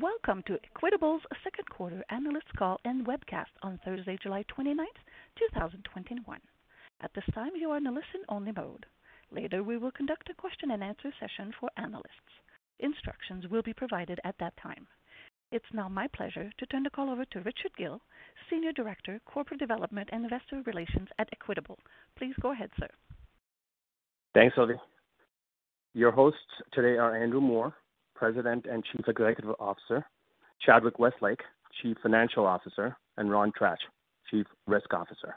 Welcome to Equitable's second quarter analyst call and webcast on Thursday, July 29th, 2021. At this time, you are in a listen-only mode. Later, we will conduct a question and answer session for analysts. Instructions will be provided at that time. It's now my pleasure to turn the call over to Richard Gill, Senior Director, Corporate Development and Investor Relations at Equitable. Please go ahead, sir. Thanks, Audrey. Your hosts today are Andrew Moor, President and Chief Executive Officer, Chadwick Westlake, Chief Financial Officer, and Ron Tratch, Chief Risk Officer.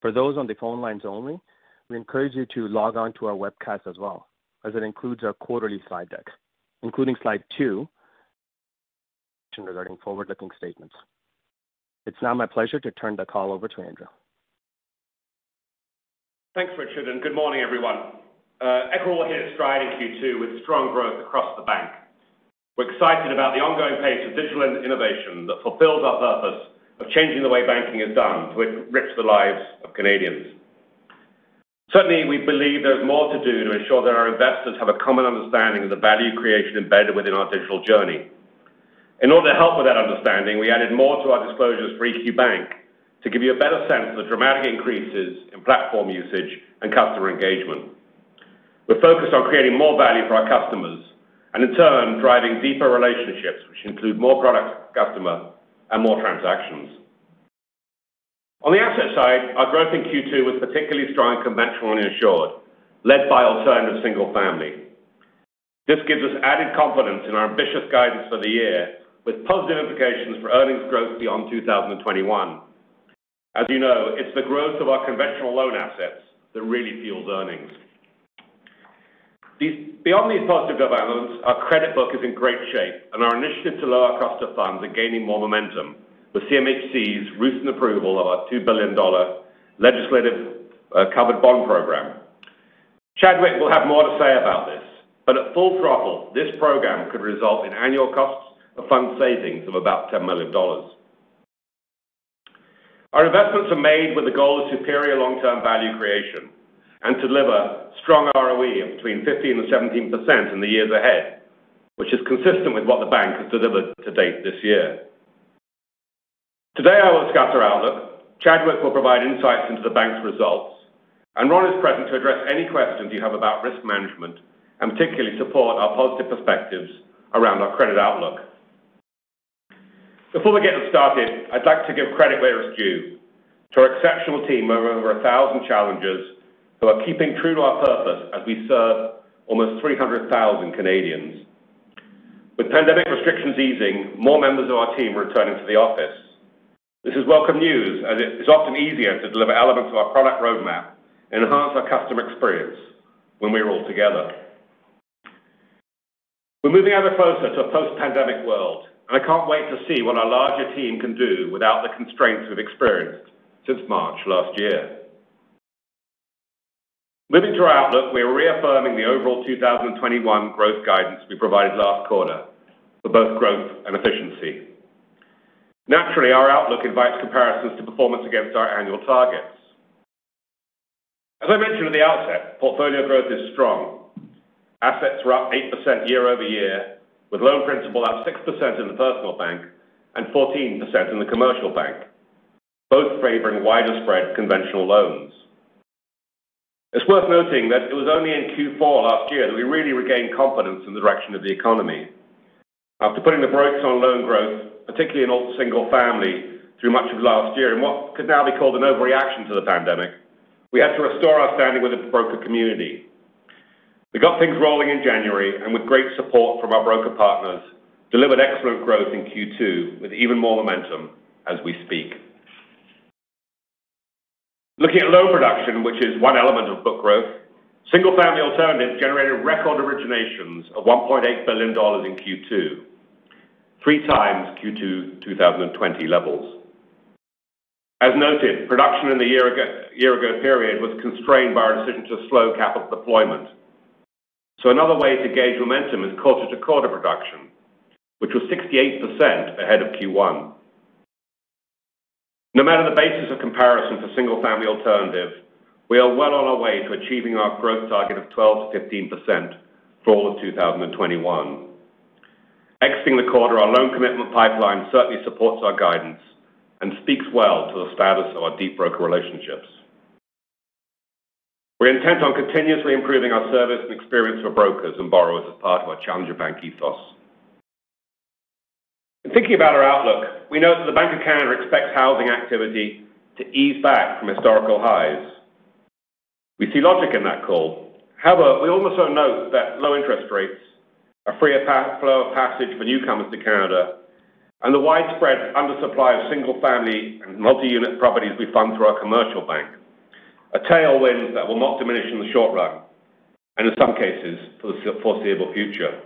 For those on the phone lines only, we encourage you to log on to our webcast as well, as it includes our quarterly slide deck, including slide 2 regarding forward-looking statements. It is now my pleasure to turn the call over to Andrew. Thanks, Richard. Good morning, everyone. Equitable hit its stride in Q2 with strong growth across the bank. We're excited about the ongoing pace of digital innovation that fulfills our purpose of changing the way banking is done to enrich the lives of Canadians. Certainly, we believe there's more to do to ensure that our investors have a common understanding of the value creation embedded within our digital journey. In order to help with that understanding, we added more to our disclosures for EQ Bank to give you a better sense of the dramatic increases in platform usage and customer engagement. We're focused on creating more value for our customers, and in turn, driving deeper relationships, which include more products per customer and more transactions. On the asset side, our growth in Q2 was particularly strong in conventional and insured, led by alternative single-family. This gives us added confidence in our ambitious guidance for the year, with positive implications for earnings growth beyond 2021. As you know, it's the growth of our conventional loan assets that really fuels earnings. Beyond these positive developments, our credit book is in great shape, and our initiatives to lower our cost of funds are gaining more momentum with CMHC's recent approval of our 2 billion dollar legislative covered bond program. Chadwick will have more to say about this, but at full throttle, this program could result in annual costs of fund savings of about 10 million dollars. Our investments are made with the goal of superior long-term value creation and deliver strong ROE of between 15% and 17% in the years ahead, which is consistent with what the bank has delivered to date this year. Today, I will discuss our outlook. Chadwick will provide insights into the bank's results, and Ron is present to address any questions you have about risk management, and particularly support our positive perspectives around our credit outlook. Before we get started, I'd like to give credit where it's due to our exceptional team of over 1,000 challengers who are keeping true to our purpose as we serve almost 300,000 Canadians. With pandemic restrictions easing, more members of our team are returning to the office. This is welcome news as it is often easier to deliver elements of our product roadmap and enhance our customer experience when we are all together. We're moving ever closer to a post-pandemic world, and I can't wait to see what our larger team can do without the constraints we've experienced since March last year. Moving to our outlook, we are reaffirming the overall 2021 growth guidance we provided last quarter for both growth and efficiency. Naturally, our outlook invites comparisons to performance against our annual targets. As I mentioned at the outset, portfolio growth is strong. Assets were up 8% year-over-year, with loan principal up 6% in the personal bank and 14% in the commercial bank, both favoring wider spread conventional loans. It's worth noting that it was only in Q4 last year that we really regained confidence in the direction of the economy. After putting the brakes on loan growth, particularly in alternative single-family through much of last year in what could now be called an overreaction to the pandemic, we had to restore our standing with the broker community. We got things rolling in January, and with great support from our broker partners, delivered excellent growth in Q2 with even more momentum as we speak. Looking at loan production, which is one element of book growth, single-family alternatives generated record originations of 1.8 billion dollars in Q2, three times Q2 2020 levels. As noted, production in the year-ago period was constrained by our decision to slow capital deployment. Another way to gauge momentum is quarter-to-quarter production, which was 68% ahead of Q1. No matter the basis of comparison to single-family alternative, we are well on our way to achieving our growth target of 12%-15% for all of 2021. Exiting the quarter, our loan commitment pipeline certainly supports our guidance and speaks well to the status of our deep broker relationships. We're intent on continuously improving our service and experience for brokers and borrowers as part of our Challenger Bank ethos. In thinking about our outlook, we note that the Bank of Canada expects housing activity to ease back from historical highs. We see logic in that call. However, we also note that low interest rates, a freer flow of passage for newcomers to Canada, and the widespread undersupply of single-family and multi-unit properties we fund through our commercial bank, are tailwinds that will not diminish in the short run, and in some cases, for the foreseeable future.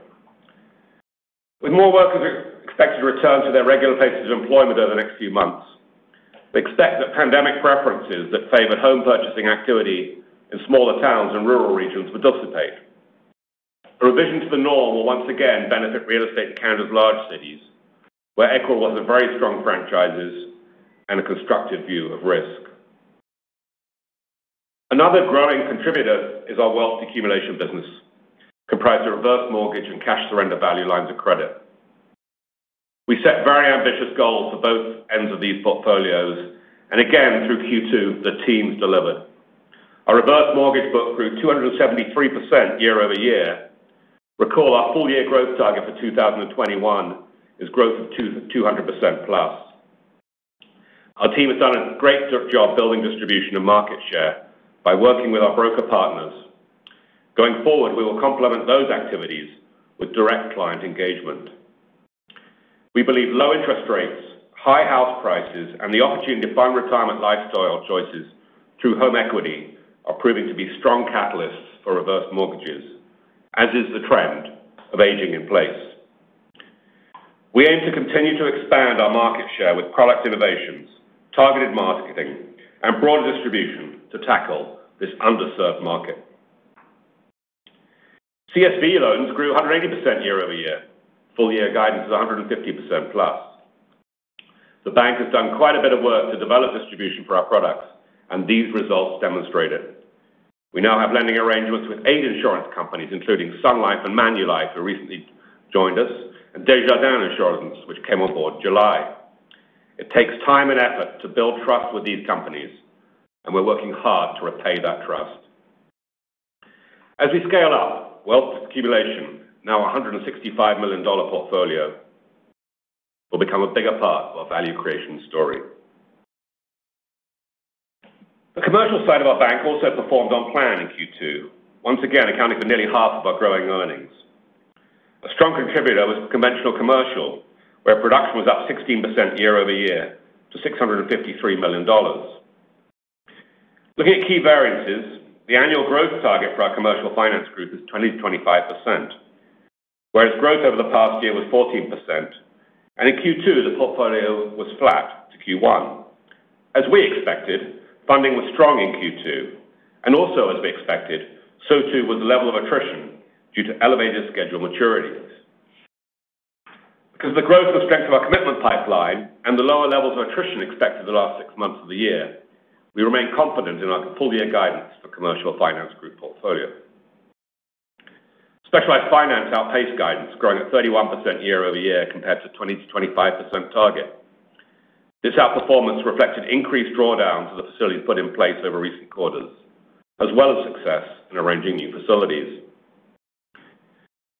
With more workers expected to return to their regular places of employment over the next few months, we expect that pandemic preferences that favored home purchasing activity in smaller towns and rural regions will dissipate. A revision to the norm will once again benefit real estate in Canada's large cities, where Equitable Bank has a very strong franchises and a constructive view of risk. Another growing contributor is our wealth accumulation business, comprised of Reverse Mortgage and Cash Surrender Value Lines of Credit. We set very ambitious goals for both ends of these portfolios, and again, through Q2, the teams delivered. Our Reverse Mortgage book grew 273% year-over-year. Recall our full-year growth target for 2021 is growth of 200%-plus. Our team has done a great job building distribution and market share by working with our broker partners. Going forward, we will complement those activities with direct client engagement. We believe low interest rates, high house prices, and the opportunity to fund retirement lifestyle choices through home equity are proving to be strong catalysts for Reverse Mortgages, as is the trend of aging in place. We aim to continue to expand our market share with product innovations, targeted marketing, and broader distribution to tackle this underserved market. CSV loans grew 180% year-over-year. Full-year guidance is 150%-plus. The bank has done quite a bit of work to develop distribution for our products, and these results demonstrate it. We now have lending arrangements with eight insurance companies, including Sun Life and Manulife, who recently joined us, and Desjardins Insurance, which came on board July. It takes time and effort to build trust with these companies, and we're working hard to repay that trust. As we scale up wealth accumulation, now 165 million dollar portfolio will become a bigger part of our value creation story. The commercial side of our bank also performed on plan in Q2. Once again, accounting for nearly half of our growing earnings. A strong contributor was conventional commercial, where production was up 16% year-over-year to 653 million dollars. Looking at key variances, the annual growth target for our Commercial Finance Group is 20%-25%, whereas growth over the past year was 14%. In Q2, the portfolio was flat to Q1. As we expected, funding was strong in Q2, and also as we expected, so too was the level of attrition due to elevated scheduled maturities. Because of the growth and strength of our commitment pipeline and the lower levels of attrition expected in the last six months of the year, we remain confident in our full-year guidance for Commercial Finance Group portfolio. Specialized Finance outpaced guidance growing at 31% year-over-year compared to 20%-25% target. This outperformance reflected increased drawdowns of the facilities put in place over recent quarters, as well as success in arranging new facilities.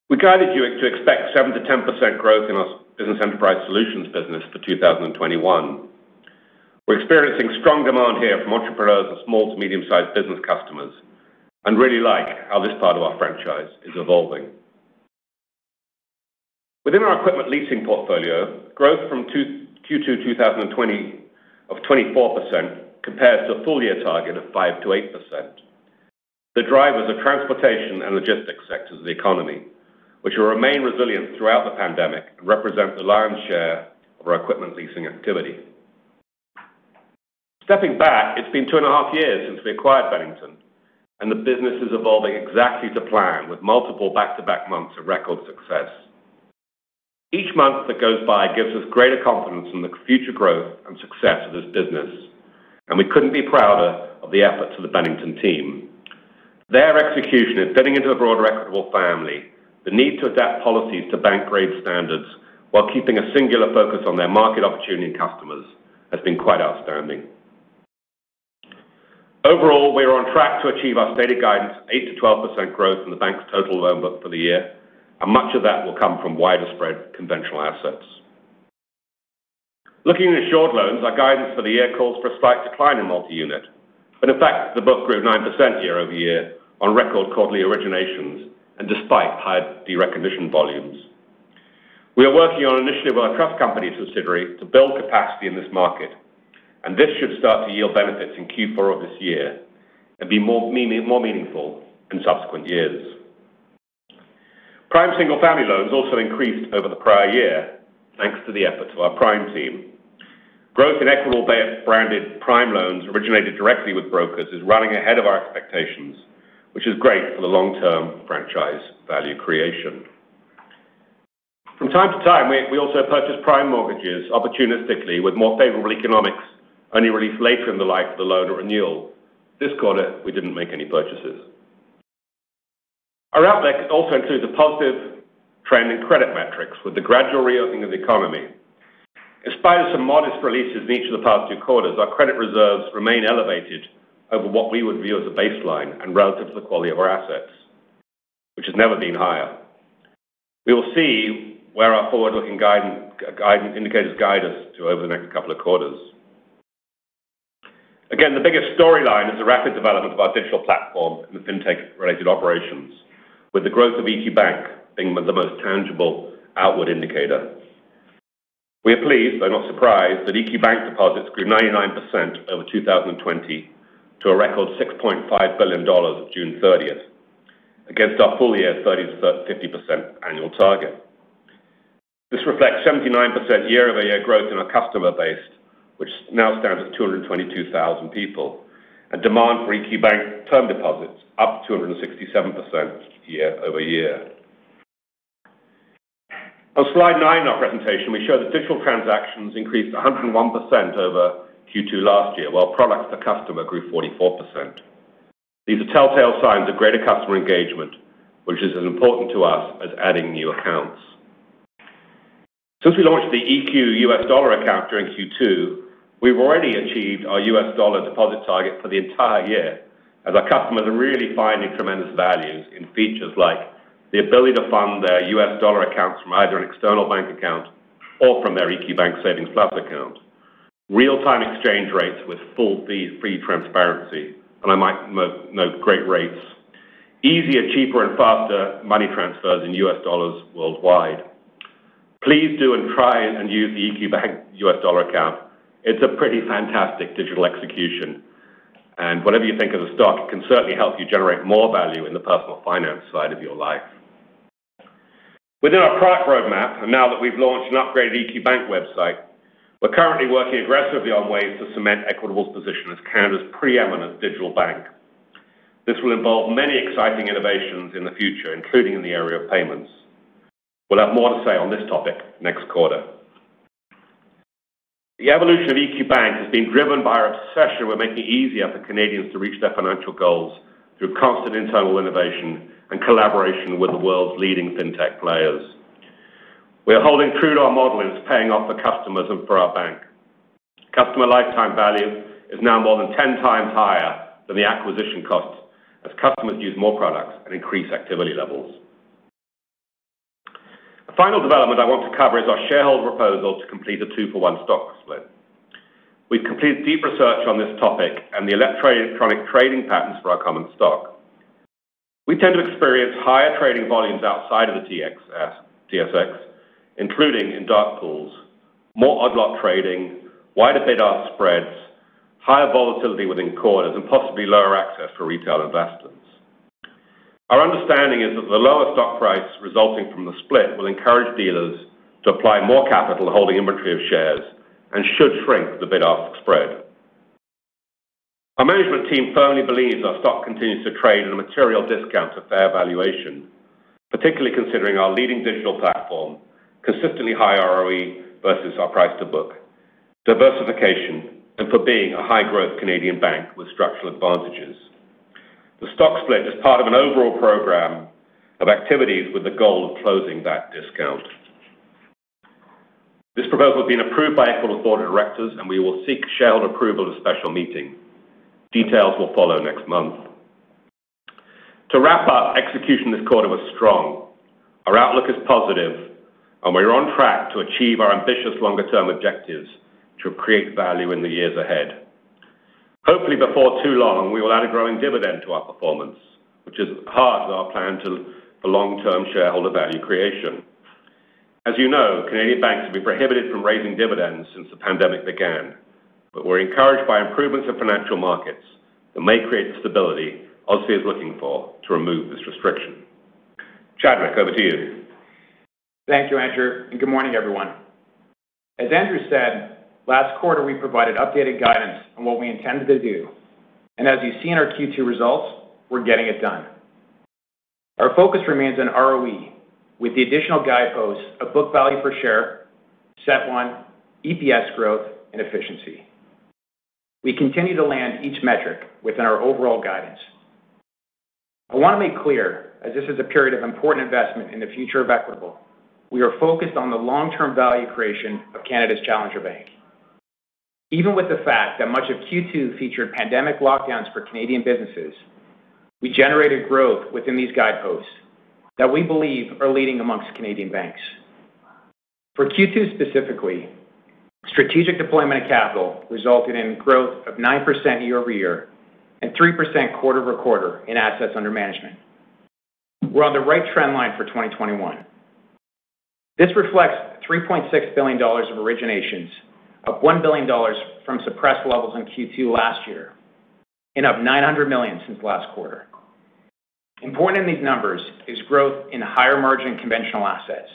We guided you to expect 7%-10% growth in our Business Enterprise Solutions for 2021. We're experiencing strong demand here from entrepreneurs and small to medium-sized business customers, and really like how this part of our franchise is evolving. Within our Equipment Leasing portfolio, growth from Q2 2020 of 24% compares to a full-year target of 5%-8%. The drivers are transportation and logistics sectors of the economy, which will remain resilient throughout the pandemic and represent the lion's share of our Equipment Leasing activity. Stepping back, it's been two and a half years since we acquired Bennington, and the business is evolving exactly to plan with multiple back-to-back months of record success. Each month that goes by gives us greater confidence in the future growth and success of this business, and we couldn't be prouder of the efforts of the Bennington team. Their execution in fitting into the broader Equitable family, the need to adapt policies to bank-grade standards while keeping a singular focus on their market opportunity and customers has been quite outstanding. Overall, we are on track to achieve our stated guidance of 8%-12% growth in the bank's total loan book for the year, and much of that will come from wider spread conventional assets. Looking at insured loans, our guidance for the year calls for a slight decline in multi-unit, but in fact, the book grew 9% year-over-year on record quarterly originations and despite high derecognition volumes. We are working on an initiative with our trust company subsidiary to build capacity in this market, and this should start to yield benefits in Q4 of this year and be more meaningful in subsequent years. Prime single-family loans also increased over the prior year, thanks to the efforts of our prime team. Growth in Equitable-branded prime loans originated directly with brokers is running ahead of our expectations, which is great for the long-term franchise value creation. From time to time, we also purchase prime mortgages opportunistically with more favorable economics only released later in the life of the loan or renewal. This quarter, we didn't make any purchases. Our outlook also includes a positive trend in credit metrics with the gradual reopening of the economy. In spite of some modest releases in each of the past two quarters, our credit reserves remain elevated over what we would view as a baseline and relative to the quality of our assets, which has never been higher. We will see where our forward-looking indicators guide us to over the next couple of quarters. The biggest storyline is the rapid development of our digital platform and the fintech-related operations with the growth of EQ Bank being the most tangible outward indicator. We are pleased, though not surprised, that EQ Bank deposits grew 99% over 2020 to a record 6.5 billion dollars at June 30th against our full-year 30%-50% annual target. This reflects 79% year-over-year growth in our customer base, which now stands at 222,000 people. Demand for EQ Bank term deposits up 267% year-over-year. On slide 9 of our presentation, we show that digital transactions increased 101% over Q2 last year, while products to customer grew 44%. These are telltale signs of greater customer engagement, which is as important to us as adding new accounts. Since we launched the EQ Bank US Dollar Account during Q2, we've already achieved our US dollar deposit target for the entire year, as our customers are really finding tremendous values in features like the ability to fund their US dollar accounts from either an external bank account or from their EQ Bank Savings Plus Account, real-time exchange rates with full fee-free transparency, and I might note great rates, easier, cheaper, and faster money transfers in US dollars worldwide. Please do and try and use the EQ Bank US Dollar Account. It's a pretty fantastic digital execution, and whatever you think of the stock, it can certainly help you generate more value in the personal finance side of your life. Within our product roadmap, and now that we've launched an upgraded EQ Bank website, we're currently working aggressively on ways to cement Equitable's position as Canada's preeminent digital bank. This will involve many exciting innovations in the future, including in the area of payments. We'll have more to say on this topic next quarter. The evolution of EQ Bank has been driven by our obsession with making it easier for Canadians to reach their financial goals through constant internal innovation and collaboration with the world's leading fintech players. We are holding true to our model, and it's paying off for customers and for our bank. Customer lifetime value is now more than 10 times higher than the acquisition cost as customers use more products and increase activity levels. A final development I want to cover is our shareholder proposal to complete a 2-for-1 stock split. We've completed deep research on this topic and the electronic trading patterns for our common stock. We tend to experience higher trading volumes outside of the TSX, including in dark pools, more odd lot trading, wider bid-ask spreads, higher volatility within quarters, and possibly lower access for retail investors. Our understanding is that the lower stock price resulting from the split will encourage dealers to apply more capital holding inventory of shares and should shrink the bid-ask spread. Our management team firmly believes our stock continues to trade at a material discount to fair valuation, particularly considering our leading digital platform, consistently high ROE versus our price to book, diversification, and for being a high-growth Canadian bank with structural advantages. The stock split is part of an overall program of activities with the goal of closing that discount. This proposal has been approved by Equitable's board of directors, and we will seek shareholder approval at a special meeting. Details will follow next month. To wrap up, execution this quarter was strong. Our outlook is positive, and we are on track to achieve our ambitious longer-term objectives, which will create value in the years ahead. Hopefully, before too long, we will add a growing dividend to our performance, which is at the heart of our plan for long-term shareholder value creation. As you know, Canadian banks have been prohibited from raising dividends since the pandemic began. We're encouraged by improvements in financial markets that may create the stability OSFI is looking for to remove this restriction. Chadwick, over to you. Thank you, Andrew Moor. Good morning, everyone. As Andrew Moor said, last quarter, we provided updated guidance on what we intended to do, as you see in our Q2 results, we're getting it done. Our focus remains on ROE with the additional guideposts of book value per share, CET1, EPS growth, and efficiency. We continue to land each metric within our overall guidance. I want to make clear, as this is a period of important investment in the future of Equitable, we are focused on the long-term value creation of Canada's challenger bank. Even with the fact that much of Q2 featured pandemic lockdowns for Canadian businesses, we generated growth within these guideposts that we believe are leading amongst Canadian banks. For Q2 specifically, strategic deployment of capital resulted in growth of 9% year-over-year and 3% quarter-over-quarter in assets under management. We're on the right trend line for 2021. This reflects 3.6 billion dollars of originations, up 1 billion dollars from suppressed levels in Q2 last year and up 900 million since last quarter. Important in these numbers is growth in higher margin conventional assets,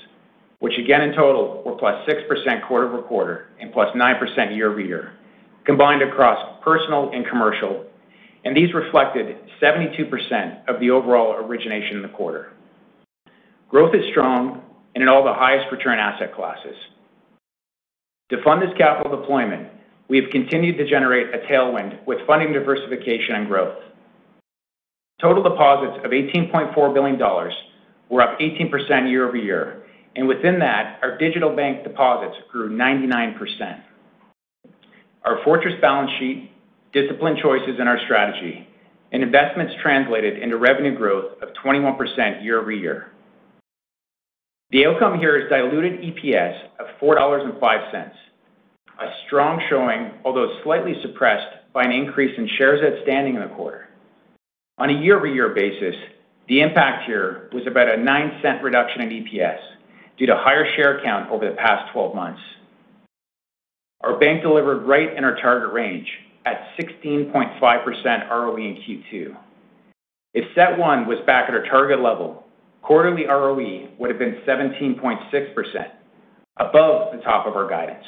which again in total were +6% quarter-over-quarter and +9% year-over-year, combined across personal and commercial, and these reflected 72% of the overall origination in the quarter. Growth is strong and in all the highest return asset classes. To fund this capital deployment, we have continued to generate a tailwind with funding diversification and growth. Total deposits of 18.4 billion dollars were up 18% year-over-year, and within that, our digital bank deposits grew 99%. Our fortress balance sheet, disciplined choices in our strategy, and investments translated into revenue growth of 21% year-over-year. The outcome here is diluted EPS of 4.05 dollars, a strong showing, although slightly suppressed by an increase in shares outstanding in the quarter. On a year-over-year basis, the impact here was about a 0.09 reduction in EPS due to higher share count over the past 12 months. Our bank delivered right in our target range at 16.5% ROE in Q2. If CET1 was back at our target level, quarterly ROE would have been 17.6%, above the top of our guidance.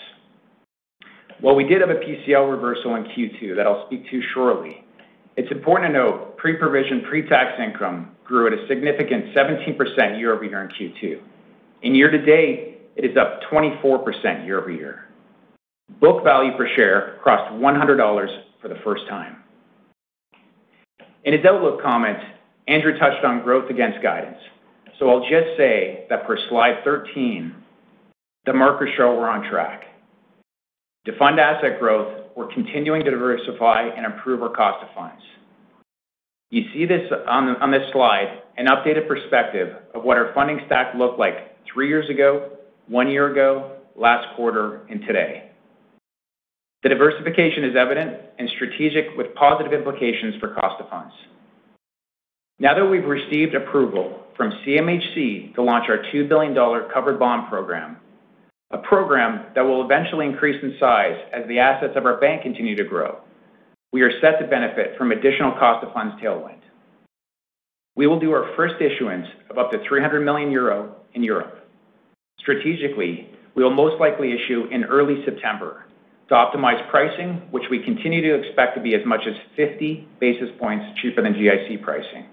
While we did have a PCL reversal in Q2 that I'll speak to shortly, it's important to note pre-provision, pre-tax income grew at a significant 17% year-over-year in Q2. Year-to-date, it is up 24% year-over-year. Book value per share crossed 100 dollars for the first time. In his outlook comments, Andrew Moor touched on growth against guidance. I'll just say that for slide 13, the markers show we're on track. To fund asset growth, we're continuing to diversify and improve our cost of funds. You see this on this slide, an updated perspective of what our funding stack looked like 3 years ago, 1 year ago, last quarter, and today. The diversification is evident and strategic with positive implications for cost of funds. Now that we've received approval from CMHC to launch our 2 billion dollar covered bond program, a program that will eventually increase in size as the assets of our bank continue to grow, we are set to benefit from additional cost of funds tailwind. We will do our first issuance of up to 300 million euro in Europe. Strategically, we will most likely issue in early September to optimize pricing, which we continue to expect to be as much as 50 basis points cheaper than GIC pricing.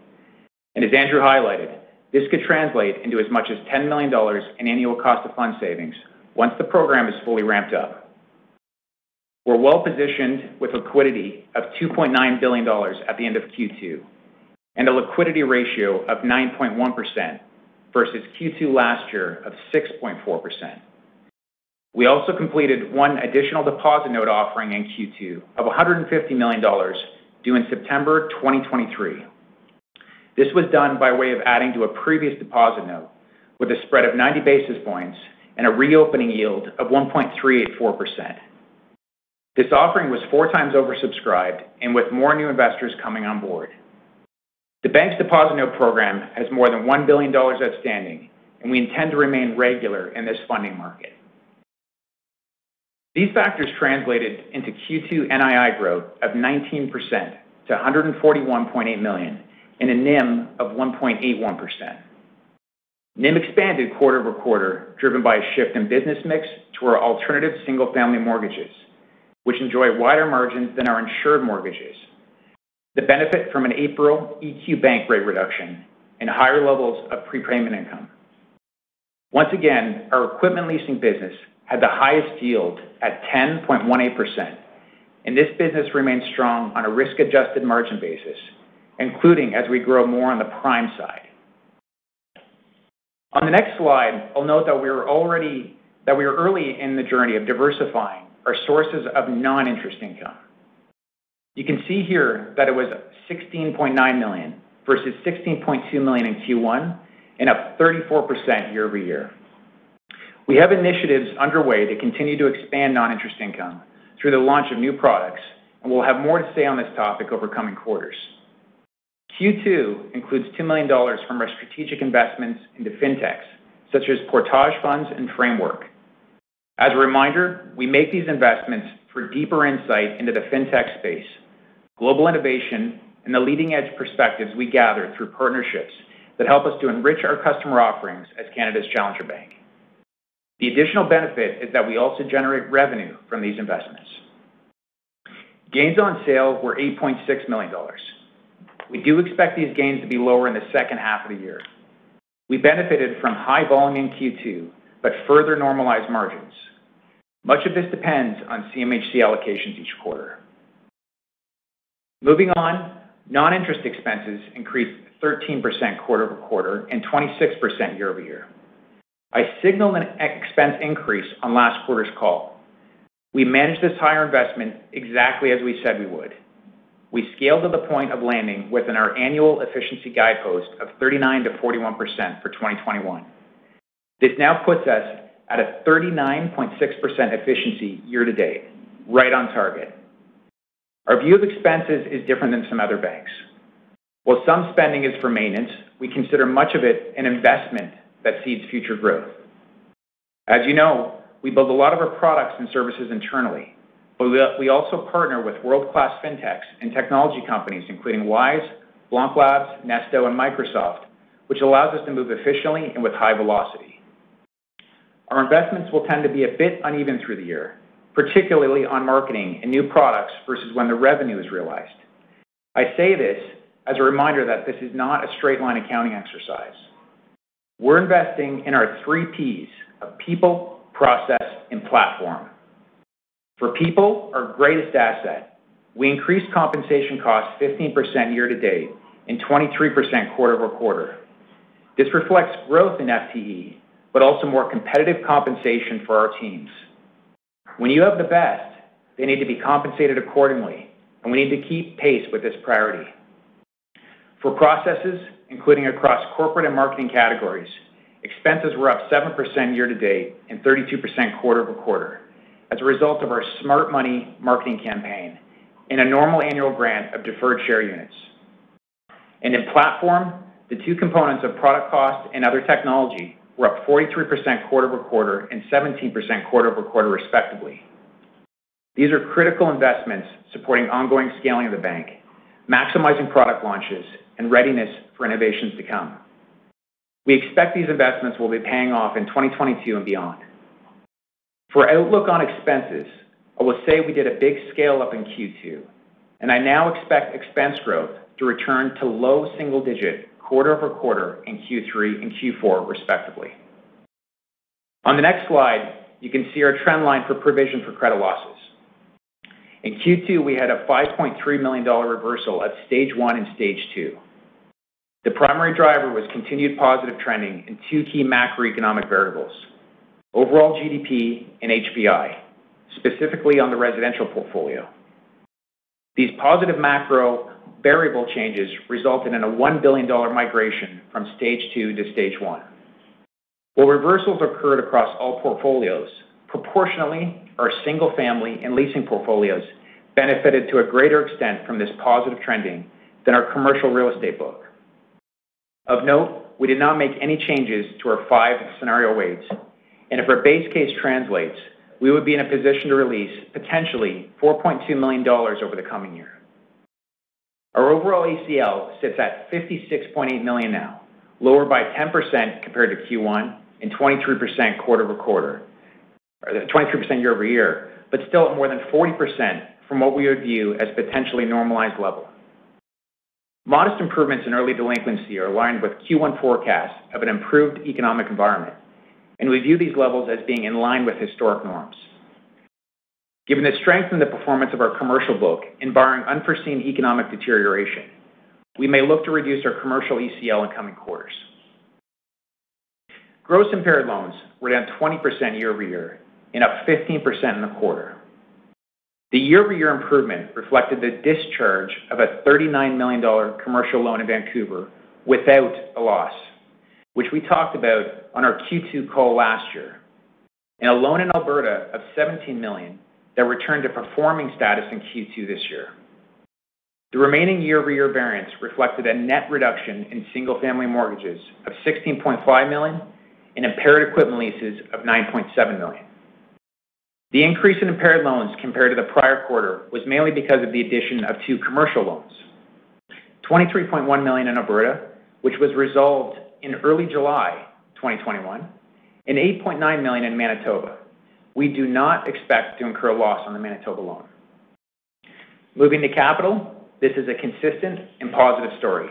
As Andrew highlighted, this could translate into as much as 10 million dollars in annual cost of funds savings once the program is fully ramped up. We're well-positioned with liquidity of 2.9 billion dollars at the end of Q2 and a liquidity ratio of 9.1% versus Q2 last year of 6.4%. We also completed 1 additional deposit note offering in Q2 of 150 million dollars due in September 2023. This was done by way of adding to a previous deposit note with a spread of 90 basis points and a reopening yield of 1.384%. This offering was 4 times oversubscribed and with more new investors coming on board. The bank's deposit note program has more than 1 billion dollars outstanding, and we intend to remain regular in this funding market. These factors translated into Q2 NII growth of 19% to 141.8 million and a NIM of 1.81%. NIM expanded quarter-over-quarter, driven by a shift in business mix to our alternative single-family mortgages, which enjoy wider margins than our insured mortgages, the benefit from an April EQB rate reduction, and higher levels of prepayment income. Once again, our Equipment Leasing business had the highest yield at 10.18%, and this business remains strong on a risk-adjusted margin basis, including as we grow more on the prime side. On the next slide, I'll note that we are early in the journey of diversifying our sources of non-interest income. You can see here that it was 16.9 million, versus 16.2 million in Q1, and up 34% year-over-year. We have initiatives underway to continue to expand non-interest income through the launch of new products, and we'll have more to say on this topic over coming quarters. Q2 includes 2 million dollars from our strategic investments into fintechs such as Portage Ventures and Framework. As a reminder, we make these investments for deeper insight into the fintech space, global innovation, and the leading-edge perspectives we gather through partnerships that help us to enrich our customer offerings as Canada's challenger bank. The additional benefit is that we also generate revenue from these investments. Gains on sale were 8.6 million dollars. We do expect these gains to be lower in the second half of the year. We benefited from high volume in Q2, but further normalized margins. Much of this depends on CMHC allocations each quarter. Moving on, non-interest expenses increased 13% quarter-over-quarter and 26% year-over-year. I signaled an expense increase on last quarter's call. We managed this higher investment exactly as we said we would. We scaled to the point of landing within our annual efficiency guidepost of 39%-41% for 2021. This now puts us at a 39.6% efficiency year to date, right on target. Our view of expenses is different than some other banks. While some spending is for maintenance, we consider much of it an investment that seeds future growth. As you know, we build a lot of our products and services internally, but we also partner with world-class fintechs and technology companies, including Wise, BlancLabs, Nesto, and Microsoft, which allows us to move efficiently and with high velocity. Our investments will tend to be a bit uneven through the year, particularly on marketing and new products versus when the revenue is realized. I say this as a reminder that this is not a straight-line accounting exercise. We're investing in our 3 Ps of people, process, and platform. For people, our greatest asset, we increased compensation costs 15% year-to-date and 23% quarter-over-quarter. This reflects growth in FTE, but also more competitive compensation for our teams. When you have the best, they need to be compensated accordingly, and we need to keep pace with this priority. For processes, including across corporate and marketing categories, expenses were up 7% year-to-date and 32% quarter-over-quarter as a result of our Smart Money marketing campaign and a normal annual grant of Deferred Share Units. In platform, the 2 components of product cost and other technology were up 43% quarter-over-quarter and 17% quarter-over-quarter, respectively. These are critical investments supporting ongoing scaling of the bank, maximizing product launches, and readiness for innovations to come. We expect these investments will be paying off in 2022 and beyond. For outlook on expenses, I will say we did a big scale-up in Q2, and I now expect expense growth to return to low double-digit quarter-over-quarter in Q3 and Q4, respectively. On the next slide, you can see our trend line for provision for credit losses. In Q2, we had a 5.3 million dollar reversal at Stage 1 and Stage 2. The primary driver was continued positive trending in 2 key macroeconomic variables, overall GDP and HPI, specifically on the residential portfolio. These positive macro variable changes resulted in a 1 billion dollar migration from Stage 2 to Stage 1. While reversals occurred across all portfolios, proportionally, our single-family and leasing portfolios benefited to a greater extent from this positive trending than our commercial real estate book. Of note, we did not make any changes to our 5 scenario weights, and if our base case translates, we would be in a position to release potentially 4.2 million dollars over the coming year. Our overall ACL sits at 56.8 million now, lower by 10% compared to Q1 and 23% year-over-year, but still up more than 40% from what we would view as potentially normalized level. Modest improvements in early delinquency are aligned with Q1 forecasts of an improved economic environment, and we view these levels as being in line with historic norms. Given the strength in the performance of our commercial book and barring unforeseen economic deterioration, we may look to reduce our commercial ECL in coming quarters. Gross impaired loans were down 20% year-over-year and up 15% in the quarter. The year-over-year improvement reflected the discharge of a 39 million dollar commercial loan in Vancouver without a loss, which we talked about on our Q2 call last year, and a loan in Alberta of 17 million that returned to performing status in Q2 this year. The remaining year-over-year variance reflected a net reduction in single-family mortgages of 16.5 million and impaired equipment leases of 9.7 million. The increase in impaired loans compared to the prior quarter was mainly because of the addition of two commercial loans, 23.1 million in Alberta, which was resolved in early July 2021, and 8.9 million in Manitoba. We do not expect to incur a loss on the Manitoba loan. Moving to capital, this is a consistent and positive story.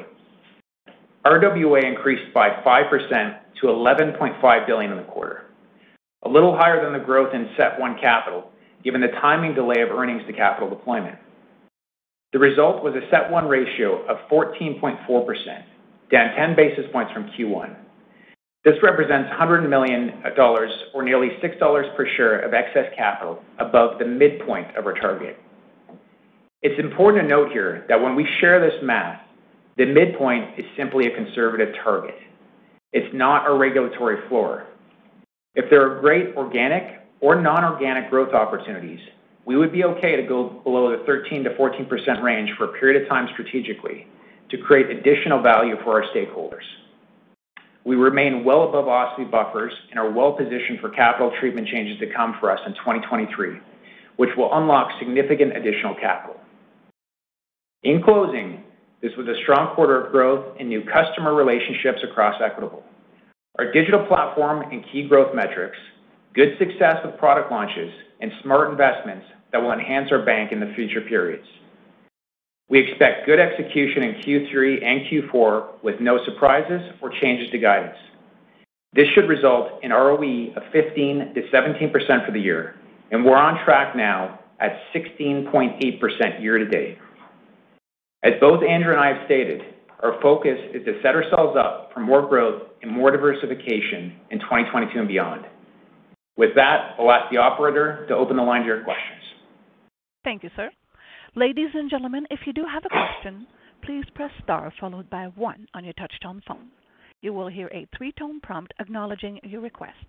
RWA increased by 5% to 11.5 billion in the quarter, a little higher than the growth in CET1 capital, given the timing delay of earnings to capital deployment. The result was a CET1 ratio of 14.4%, down 10 basis points from Q1. This represents 100 million dollars or nearly 6 dollars per share of excess capital above the midpoint of our target. It's important to note here that when we share this math, the midpoint is simply a conservative target. It's not a regulatory floor. If there are great organic or non-organic growth opportunities, we would be okay to go below the 13%-14% range for a period of time strategically to create additional value for our stakeholders. We remain well above OSFI buffers and are well-positioned for capital treatment changes that come for us in 2023, which will unlock significant additional capital. In closing, this was a strong quarter of growth in new customer relationships across Equitable. Our digital platform and key growth metrics, good success with product launches and smart investments that will enhance our bank in the future periods. We expect good execution in Q3 and Q4 with no surprises or changes to guidance. This should result in ROE of 15%-17% for the year, and we're on track now at 16.8% year-to-date. As both Andrew and I have stated, our focus is to set ourselves up for more growth and more diversification in 2022 and beyond. With that, I'll ask the operator to open the line to your questions. Thank you, sir. Ladies and gentlemen, if you do have a question, please press star followed by 1 on your touchtone phone. You will hear a three-tone prompt acknowledging your request.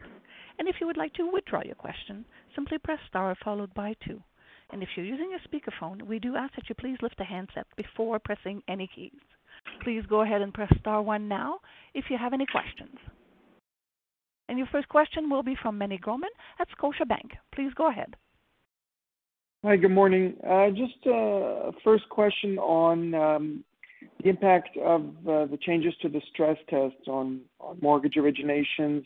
And if you would like to withdraw your question, simply press star followed by 2. And if you're using a speakerphone, we do ask that you please lift the handset before pressing any keys. Please go ahead and press star 1 now if you have any questions. Your first question will be from Meny Grauman at Scotiabank. Please go ahead. Hi, good morning. Just a first question on the impact of the changes to the stress tests on mortgage originations.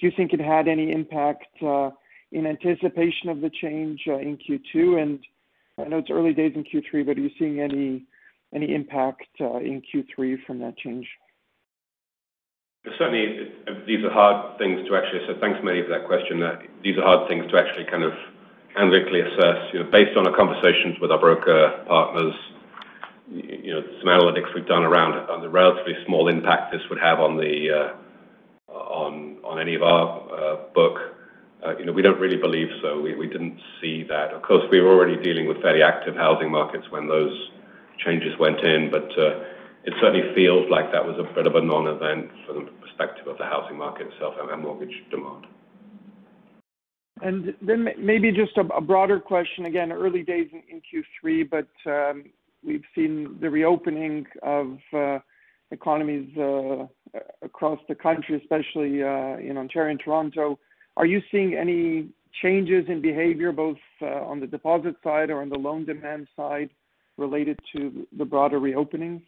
Do you think it had any impact in anticipation of the change in Q2? I know it's early days in Q3, but are you seeing any impact in Q3 from that change? Certainly, thanks, Meny, for that question. These are hard things to actually kind of empirically assess. Based on our conversations with our broker partners, some analytics we've done around on the relatively small impact this would have on any of our book, we don't really believe so. We didn't see that. Of course, we were already dealing with fairly active housing markets when those changes went in, it certainly feels like that was a bit of a non-event from the perspective of the housing market itself and mortgage demand. Maybe just a broader question again, early days in Q3, but we've seen the reopening of economies across the country, especially in Ontario and Toronto. Are you seeing any changes in behavior, both on the deposit side or on the loan demand side, related to the broader reopening?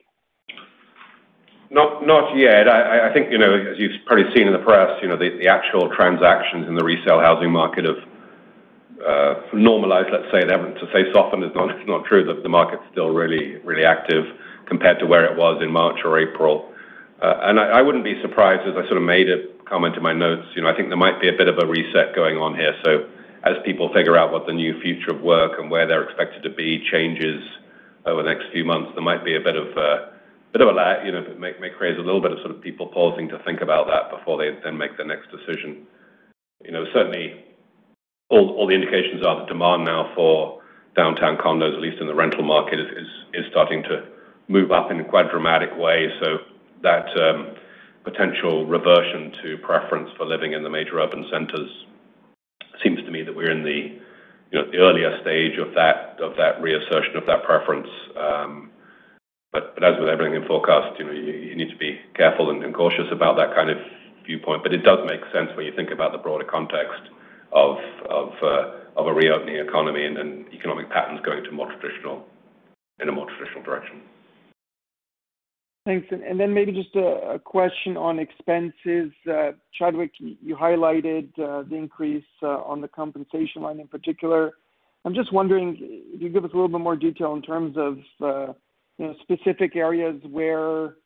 Not yet. I think, as you've probably seen in the press, the actual transactions in the resale housing market have normalized, let's say. To say softened is not true. The market's still really active compared to where it was in March or April. I wouldn't be surprised, as I sort of made a comment in my notes, I think there might be a bit of a reset going on here. As people figure out what the new future of work and where they're expected to be changes over the next few months, there might be a bit of a lag. It may create a little bit of people pausing to think about that before they then make their next decision. Certainly, all the indications are the demand now for downtown condos, at least in the rental market, is starting to move up in a quite dramatic way. That potential reversion to preference for living in the major urban centers, seems to me that we're in the earlier stage of that reassertion of that preference. As with everything in forecast, you need to be careful and cautious about that kind of viewpoint. It does make sense when you think about the broader context of a reopening economy and economic patterns going in a more traditional direction. Thanks. Maybe just a question on expenses. Chadwick, you highlighted the increase on the compensation line in particular. I'm just wondering, can you give us a little bit more detail in terms of specific areas where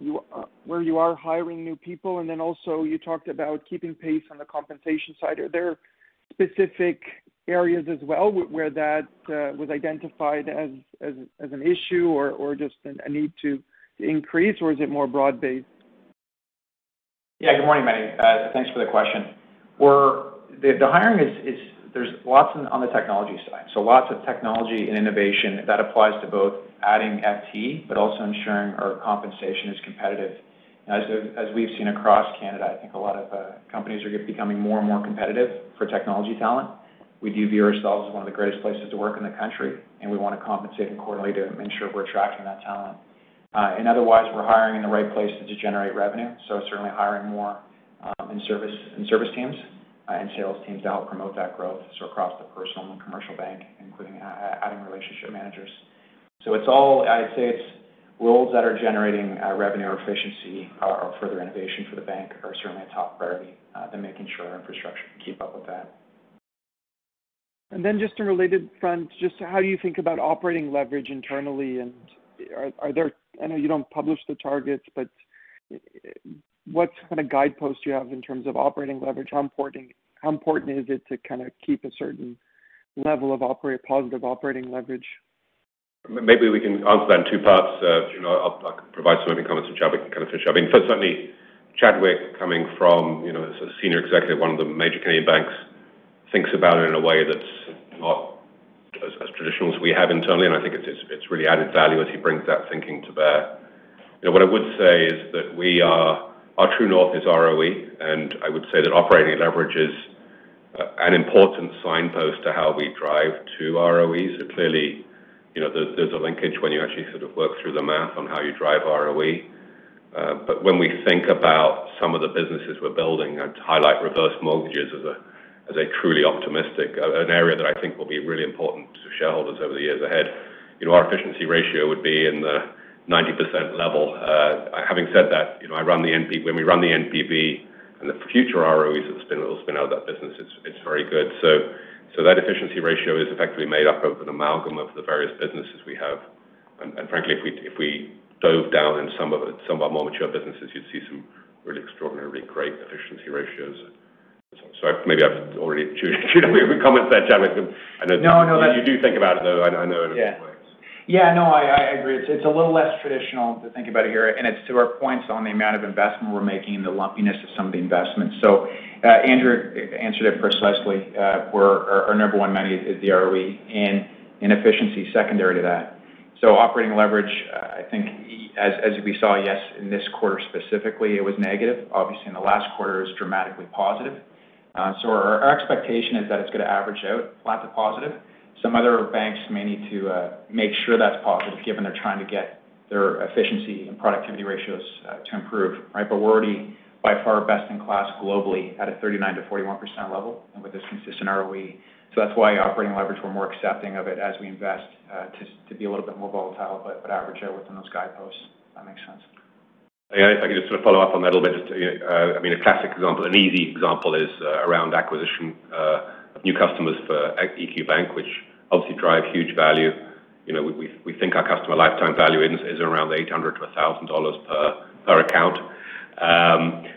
you are hiring new people? You talked about keeping pace on the compensation side. Are there specific areas as well where that was identified as an issue or just a need to increase, or is it more broad-based? Good morning, Meny. Thanks for the question. The hiring is, there's lots on the technology side, so lots of technology and innovation that applies to both adding FTE, but also ensuring our compensation is competitive. As we've seen across Canada, I think a lot of companies are becoming more and more competitive for technology talent. We do view ourselves as one of the greatest places to work in the country, and we want to compensate and correlate it and make sure we're attracting that talent. Certainly hiring more in service teams and sales teams to help promote that growth. Across the Personal and Commercial Bank, including adding relationship managers. I'd say it's roles that are generating revenue or efficiency or further innovation for the bank are certainly a top priority, then making sure our infrastructure can keep up with that. Just a related front, just how you think about operating leverage internally, and I know you don't publish the targets, but what kind of guideposts do you have in terms of operating leverage? How important is it to kind of keep a certain level of positive operating leverage? Maybe we can answer that in two parts. I can provide some opening comments. Chadwick can kind of finish up. Certainly, Chadwick, coming from a senior executive, one of the major Canadian banks, thinks about it in a way that's not as traditional as we have internally. I think it's really added value as he brings that thinking to bear. What I would say is that our true north is ROE. I would say that operating leverage is an important signpost to how we drive to ROE. Clearly, there's a linkage when you actually sort of work through the math on how you drive ROE. When we think about some of the businesses we're building, I'd highlight Reverse Mortgages as a truly optimistic, an area that I think will be really important to shareholders over the years ahead. Our efficiency ratio would be in the 90% level. Having said that, when we run the NPV and the future ROEs that spin out of that business, it's very good. That efficiency ratio is effectively made up of an amalgam of the various businesses we have. Frankly, if we dove down in some of our more mature businesses, you'd see some really extraordinarily great efficiency ratios. Maybe I've already chewed over your comments there, Chadwick. No. You do think about it, though, I know in a few points. Yeah, no, I agree. It's a little less traditional to think about it here, and it's to our points on the amount of investment we're making and the lumpiness of some of the investments. Andrew Moor answered it precisely. Our number 1 money is the ROE and efficiency secondary to that. Operating leverage, I think as we saw, yes, in this quarter specifically, it was negative. Obviously in the last quarter, it was dramatically positive. Our expectation is that it's going to average out flat to positive. Some other banks may need to make sure that's positive given they're trying to get their efficiency and productivity ratios to improve. We're already by far best in class globally at a 39%-41% level and with a consistent ROE. That's why operating leverage, we're more accepting of it as we invest to be a little bit more volatile, but average out within those guideposts, if that makes sense. If I could just sort of follow up on that a little bit. A classic example, an easy example is around acquisition of new customers for EQ Bank, which obviously drive huge value. We think our customer lifetime value is around the 800-1,000 dollars per account.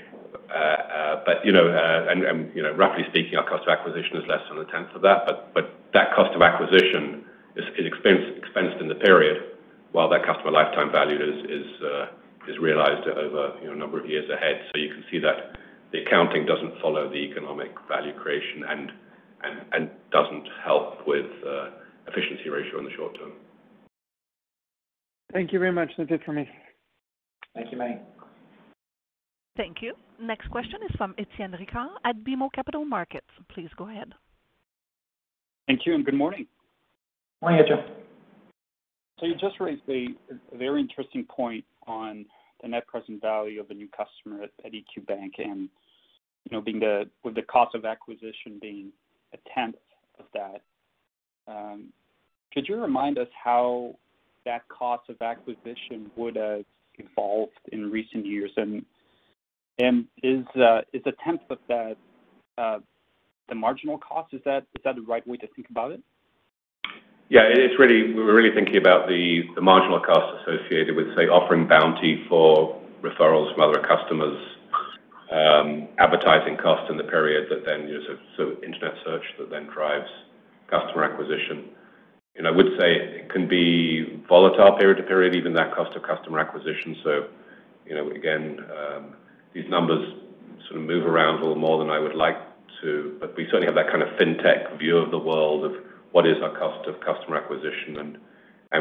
Roughly speaking, our cost of acquisition is less than a tenth of that. That cost of acquisition is expensed in the period while that customer lifetime value is realized over a number of years ahead. You can see that the accounting doesn't follow the economic value creation and doesn't help with efficiency ratio in the short term. Thank you very much. That's it for me. Thank you, Meny. Thank you. Next question is from Étienne Ricard at BMO Capital Markets. Please go ahead. Thank you and good morning. Morning, Étienne. You just raised a very interesting point on the net present value of a new customer at EQ Bank. With the cost of acquisition being a tenth of that, could you remind us how that cost of acquisition would have evolved in recent years? Is a tenth of that the marginal cost? Is that the right way to think about it? Yeah. We're really thinking about the marginal cost associated with, say, offering bounty for referrals from other customers, advertising cost in the period, so Internet search that then drives customer acquisition. I would say it can be volatile period to period, even that cost of customer acquisition. Again, these numbers sort of move around a little more than I would like to, but we certainly have that kind of fintech view of the world of what is our cost of customer acquisition.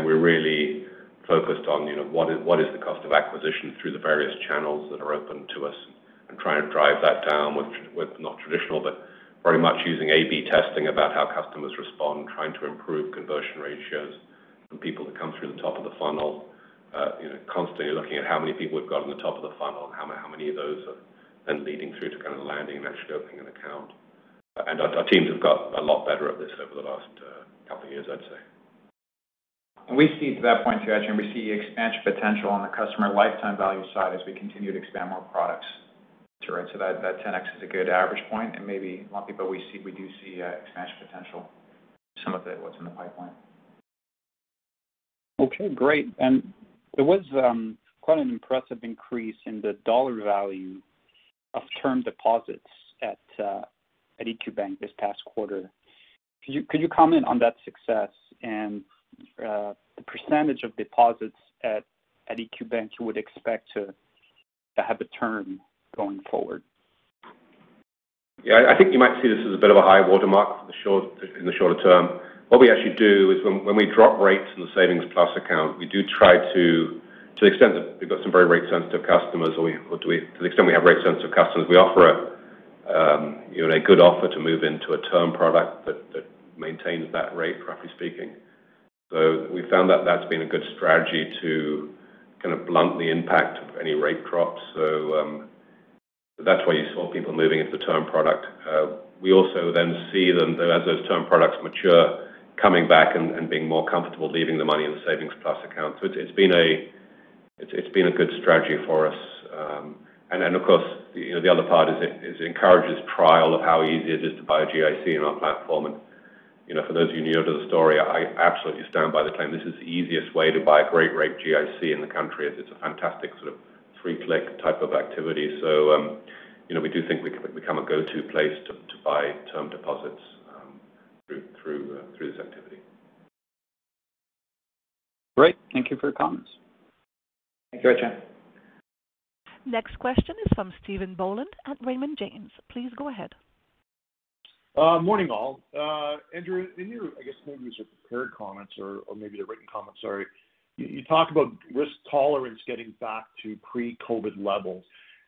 We're really focused on what is the cost of acquisition through the various channels that are open to us, and trying to drive that down with not traditional, but very much using A/B testing about how customers respond, trying to improve conversion ratios from people that come through the top of the funnel. Constantly looking at how many people we've got in the top of the funnel, and how many of those are then leading through to kind of landing and actually opening an account. Our teams have got a lot better at this over the last couple of years, I'd say. We see to that point, too, Étienne, we see expansion potential on the customer lifetime value side as we continue to expand more products. That 10x is a good average point and maybe lumpy, but we do see expansion potential, some of it what's in the pipeline. Okay, great. There was quite an impressive increase in the dollar value of term deposits at EQ Bank this past quarter. Could you comment on that success and the percentage of deposits at EQ Bank you would expect to have a term going forward? Yeah. I think you might see this as a bit of a high watermark in the shorter term. What we actually do is when we drop rates in the Savings Plus Account, to the extent that we've got some very rate-sensitive customers, or to the extent we have rate-sensitive customers, we offer a good offer to move into a term product that maintains that rate, roughly speaking. We found that that's been a good strategy to kind of blunt the impact of any rate drops. That's why you saw people moving into the term product. We also then see them, as those term products mature, coming back and being more comfortable leaving the money in the Savings Plus Account. It's been a good strategy for us. Of course, the other part is it encourages trial of how easy it is to buy a GIC on our platform. For those of you newer to the story, I absolutely stand by the claim this is the easiest way to buy a great rate GIC in the country, as it's a fantastic sort of three-click type of activity. We do think we've become a go-to place to buy term deposits through this activity. Great. Thank you for your comments. Thank you, Étienne. Next question is from Stephen Boland at Raymond James. Please go ahead. Morning, all. Andrew, in your, I guess maybe it's your prepared comments or maybe the written comments, sorry, you talk about risk tolerance getting back to pre-COVID levels.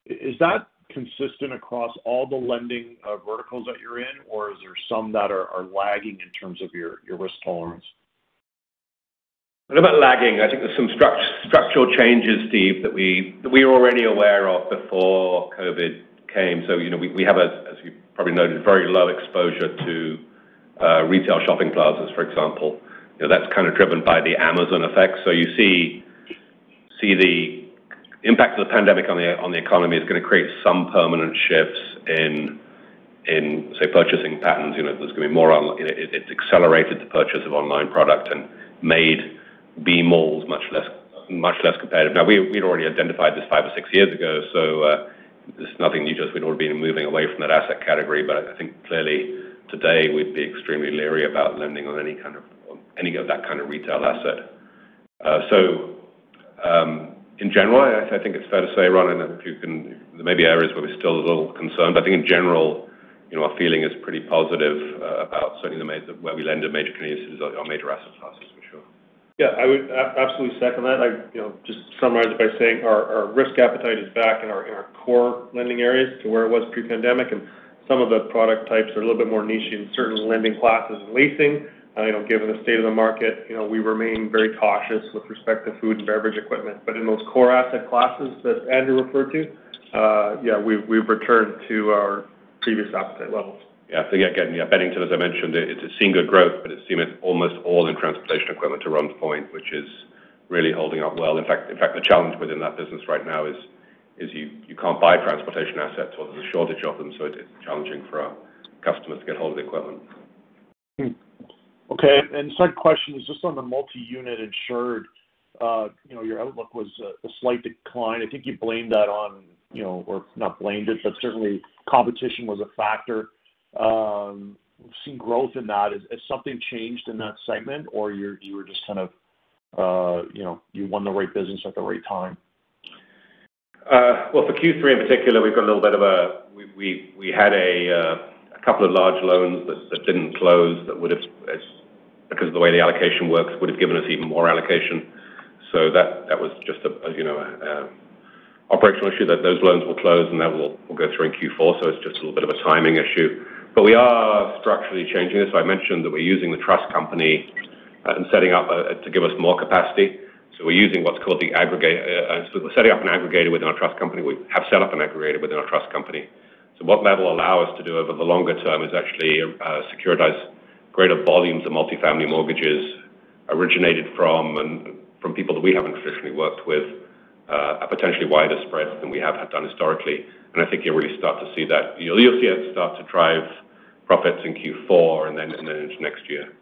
Is that consistent across all the lending verticals that you're in or is there some that are lagging in terms of your risk tolerance? I don't know about lagging. I think there's some structural changes, Steve, that we were already aware of before COVID came. We have, as you probably noted, very low exposure to retail shopping plazas, for example. That's kind of driven by the Amazon effect. You see the impact of the pandemic on the economy is going to create some permanent shifts in, say, purchasing patterns. It's accelerated the purchase of online product and made B malls much less competitive. We'd already identified this 5 or 6 years ago, this is nothing new to us. We'd all been moving away from that asset category. I think clearly today we'd be extremely leery about lending on any of that kind of retail asset. In general, I think it's fair to say, Ron, there may be areas where we're still a little concerned, but I think in general, our feeling is pretty positive about certainly where we lend in major Canadian cities, our major asset classes, I'm sure. Yeah, I would absolutely second that. I'd just summarize it by saying our risk appetite is back in our core lending areas to where it was pre-pandemic, and some of the product types are a little bit more niche in certain lending classes and leasing. Given the state of the market we remain very cautious with respect to food and beverage equipment. In those core asset classes that Andrew referred to, yeah, we've returned to our previous appetite levels. Again, Bennington, as I mentioned, it's seen good growth, but it's seen it almost all in transportation equipment, to Ron's point, which is really holding up well. In fact, the challenge within that business right now is you can't buy transportation assets. There's a shortage of them, so it's challenging for our customers to get hold of equipment. Okay. Second question is just on the multi-unit insured. Your outlook was a slight decline. I think you blamed that on, or not blamed it, but certainly competition was a factor. We've seen growth in that. Has something changed in that segment, or you won the right business at the right time? Well, for Q3 in particular, we had a couple of large loans that didn't close that because of the way the allocation works, would have given us even more allocation. That was just an operational issue, that those loans will close and that will go through in Q4. It's just a little bit of a timing issue. We are structurally changing this. I mentioned that we're using the trust company and setting up to give us more capacity. We have set up an aggregator within our trust company. What that will allow us to do over the longer term is actually securitize greater volumes of multifamily mortgages originated from people that we haven't traditionally worked with at potentially wider spreads than we have done historically. I think you'll really start to see that. You'll see it start to drive profits in Q4 and then into next year.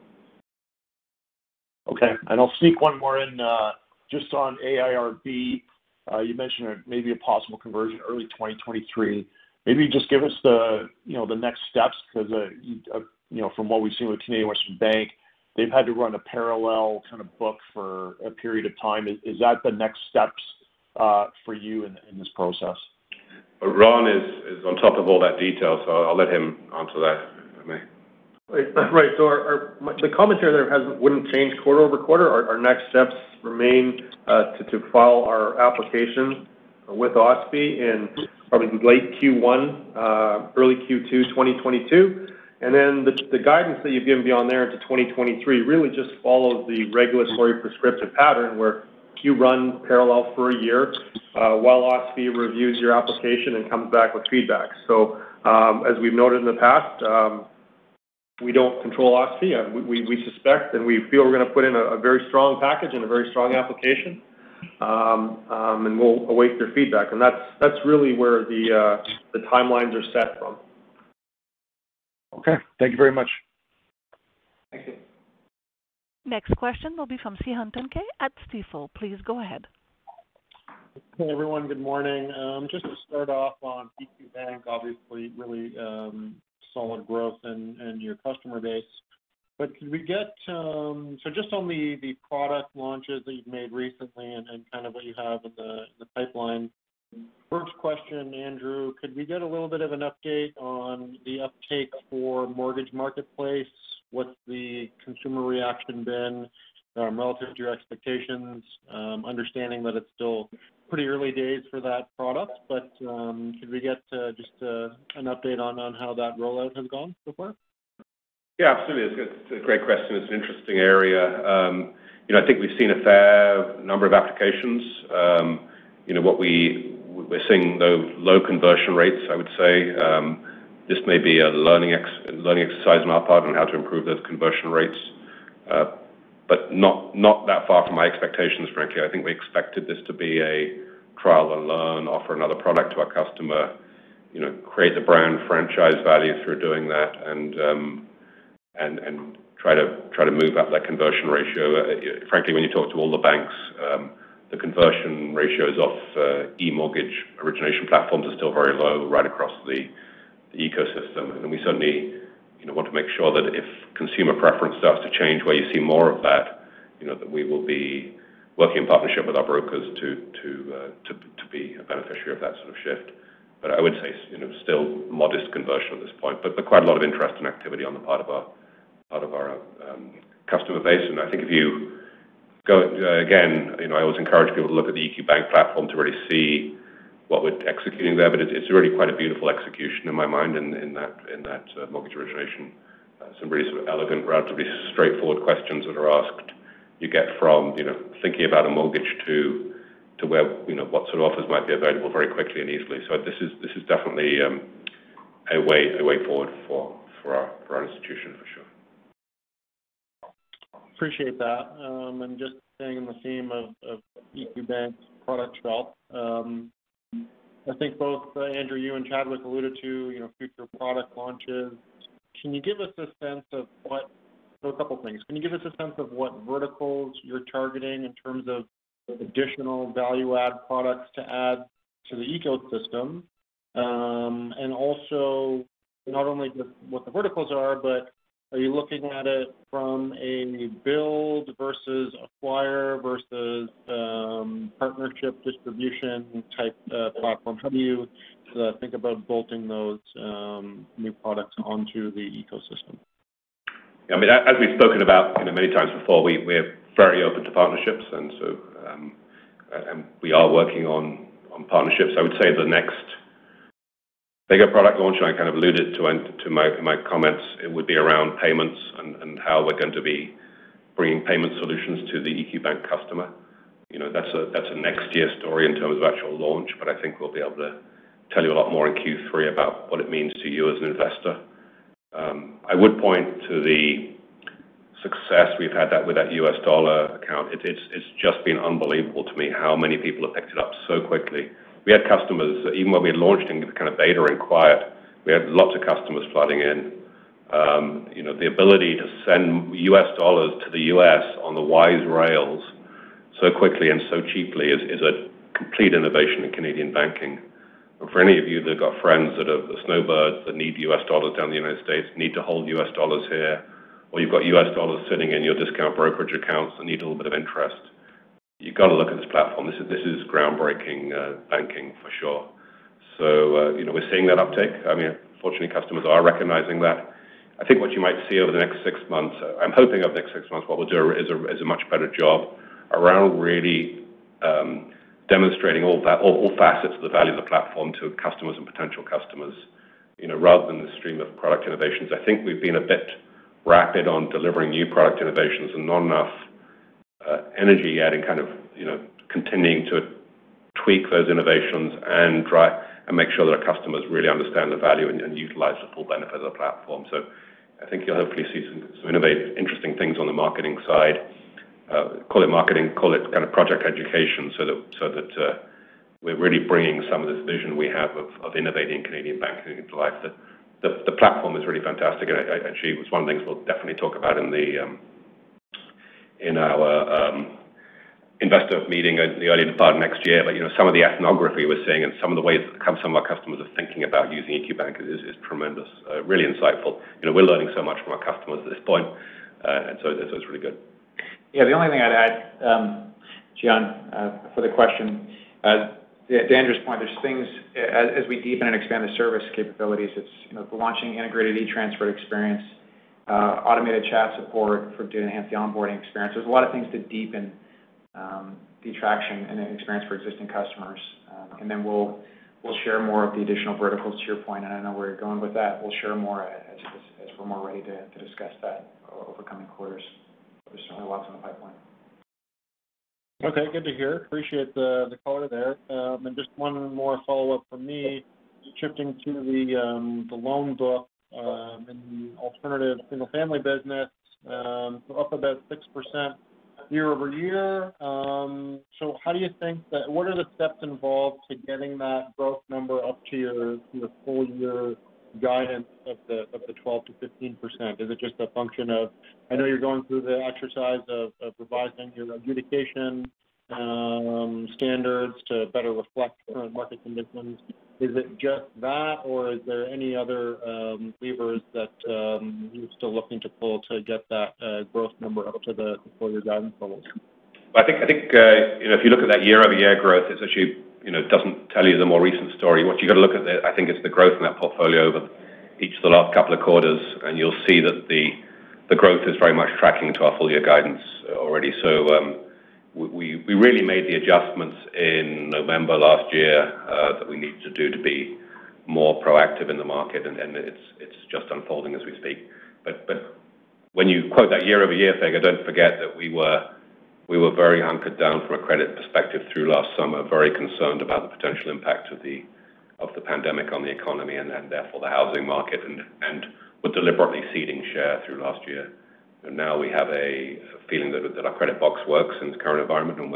Okay. I'll sneak one more in just on AIRB. You mentioned maybe a possible conversion early 2023. Maybe just give us the next steps because from what we've seen with Canadian Western Bank, they've had to run a parallel kind of book for a period of time. Is that the next steps for you in this process? Ron is on top of all that detail, so I'll let him onto that. Right. The commentary there wouldn't change quarter-over-quarter. Our next steps remain to file our application with OSFI in probably late Q1, early Q2 2022. The guidance that you've given beyond there into 2023 really just follows the regulatory prescriptive pattern, where you run parallel for a year while OSFI reviews your application and comes back with feedback. As we've noted in the past, we don't control OSFI. We suspect and we feel we're going to put in a very strong package and a very strong application, and we'll await their feedback. That's really where the timelines are set from. Okay. Thank you very much. Thank you. Next question will be from Gian Hunter at Stifel. Please go ahead. Hey, everyone. Good morning. Just to start off on EQ Bank, obviously really solid growth in your customer base. Just on the product launches that you've made recently and kind of what you have in the pipeline. First question, Andrew, could we get a little bit of an update on the uptake for Mortgage Marketplace? What's the consumer reaction been relative to your expectations, understanding that it's still pretty early days for that product? Could we get just an update on how that rollout has gone so far? Absolutely. It's a great question. It's an interesting area. I think we've seen a fair number of applications. We're seeing low conversion rates, I would say. This may be a learning exercise on our part on how to improve those conversion rates. Not that far from my expectations, frankly. I think we expected this to be a trial and learn, offer another product to our customer, create the brand franchise value through doing that, and try to move up that conversion ratio. Frankly, when you talk to all the banks the conversion ratios of e-mortgage origination platforms are still very low right across the ecosystem. We certainly want to make sure that if consumer preference starts to change where you see more of that we will be working in partnership with our brokers to be a beneficiary of that sort of shift. I would say it's still modest conversion at this point, but quite a lot of interest and activity on the part of our customer base. I think if you go, again, I always encourage people to look at the EQ Bank platform to really see what we're executing there. It's really quite a beautiful execution in my mind in that mortgage origination. Some really sort of elegant, relatively straightforward questions that are asked you get from thinking about a mortgage to what sort of offers might be available very quickly and easily. This is definitely a way forward for our institution, for sure. Appreciate that. Just staying in the theme of EQ Bank's product wealth, I think both Andrew, you and Chadwick alluded to future product launches. A couple things. Can you give us a sense of what verticals you're targeting in terms of additional value-add products to add to the ecosystem? Also not only just what the verticals are, but are you looking at it from a build versus acquire versus partnership distribution type platform? How do you think about bolting those new products onto the ecosystem? As we've spoken about many times before, we're very open to partnerships and we are working on partnerships. I would say the next bigger product launch, and I kind of alluded to in my comments, it would be around payments and how we're going to be bringing payment solutions to the EQ Bank customer. That's a next year story in terms of actual launch, but I think we'll be able to tell you a lot more in Q3 about what it means to you as an investor. I would point to the success we've had with that US Dollar Account. It's just been unbelievable to me how many people have picked it up so quickly. Even when we launched in kind of beta and quiet, we had lots of customers flooding in. The ability to send U.S. dollars to the U.S. on the Wise rails so quickly and so cheaply is a complete innovation in Canadian banking. For any of you that have got friends that are snowbirds that need U.S. dollars down in the United States, need to hold U.S. dollars here, or you've got U.S. dollars sitting in your discount brokerage accounts that need a little bit of interest, you've got to look at this platform. This is groundbreaking banking for sure. We're seeing that uptake. Fortunately, customers are recognizing that. I think what you might see over the next six months, I'm hoping over the next six months what we'll do is a much better job around really demonstrating all facets of the value of the platform to customers and potential customers. Rather than the stream of product innovations, I think we've been a bit rapid on delivering new product innovations and not enough energy yet in continuing to tweak those innovations and make sure that our customers really understand the value and utilize the full benefit of the platform. I think you'll hopefully see some interesting things on the marketing side. Call it marketing, call it project education, so that we're really bringing some of this vision we have of innovating Canadian banking to life. The platform is really fantastic, actually it was one of the things we'll definitely talk about in our investor meeting in the early part of next year. Some of the ethnography we're seeing and some of the ways some of our customers are thinking about using EQ Bank is tremendous, really insightful. We're learning so much from our customers at this point, it's really good. Yeah. The only thing I'd add, Gian, for the question, to Andrew's point, as we deepen and expand the service capabilities, we're launching integrated e-Transfer experience, automated chat support to enhance the onboarding experience. There's a lot of things to deepen the traction and the experience for existing customers. We'll share more of the additional verticals to your point, and I know where you're going with that. We'll share more as we're more ready to discuss that over coming quarters. There's certainly lots in the pipeline. Okay. Good to hear. Appreciate the color there. Just 1 more follow-up from me, shifting to the loan book and the alternative single-family business, up about 6% year-over-year. What are the steps involved to getting that growth number up to your full-year guidance of the 12%-15%? I know you're going through the exercise of revising your adjudication standards to better reflect current market conditions. Is it just that, or are there any other levers that you're still looking to pull to get that growth number up to the full-year guidance levels? I think if you look at that year-over-year growth, it actually doesn't tell you the more recent story. What you got to look at there, I think, is the growth in that portfolio over each of the last couple of quarters, and you'll see that the growth is very much tracking to our full-year guidance already. We really made the adjustments in November last year that we needed to do to be more proactive in the market, and it's just unfolding as we speak. When you quote that year-over-year figure, don't forget that we were very hunkered down from a credit perspective through last summer, very concerned about the potential impact of the pandemic on the economy and therefore the housing market, and were deliberately ceding share through last year. Now we have a feeling that our credit box works in the current environment, and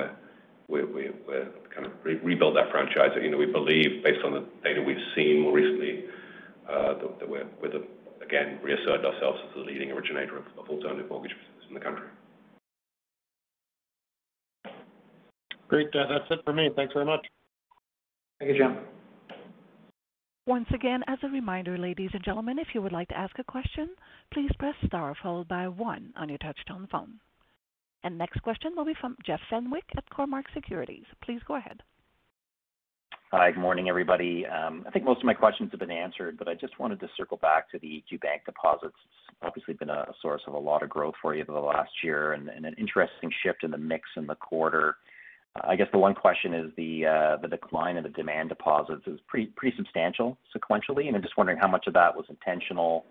we've kind of rebuilt that franchise. We believe based on the data we've seen more recently that we've again reasserted ourselves as the leading originator of alternative mortgage business in the country. Great. That's it for me. Thanks very much. Thank you, Gian. Once again, as a reminder, ladies and gentlemen, if you would like to ask a question, please press star followed by 1 on your touch-tone phone. Next question will be from Jeff Fenwick at Cormark Securities. Please go ahead. Hi. Good morning, everybody. I think most of my questions have been answered, but I just wanted to circle back to the EQ Bank deposits. Obviously been a source of a lot of growth for you over the last year and an interesting shift in the mix in the quarter. I guess the one question is the decline in the demand deposits is pretty substantial sequentially, and I'm just wondering how much of that was intentional.